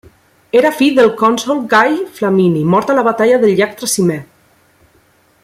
Era fill del cònsol Gai Flamini mort a la batalla del llac Trasimè.